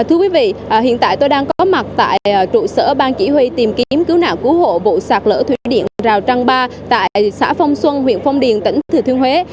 thưa quý vị hiện tại tôi đang có mặt tại trụ sở ban chỉ huy tìm kiếm cứu nạn cứu hộ vụ sạt lỡ thủy điện rào trăng ba tại xã phong xuân huyện phong điền tỉnh thừa thiên huế